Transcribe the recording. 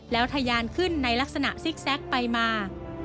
แล้วทะยานขึ้นในลักษณะซิกแก๊กไปมา